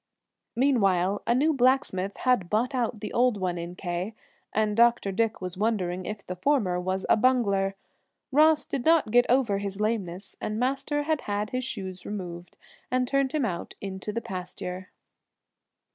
Meanwhile a new blacksmith had bought out the old one in K and Dr. Dick was wondering if the former was a bungler. Ross did not get over his lameness, and Master had had his shoes removed and turned him out into the pasture.